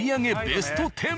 ベスト１０！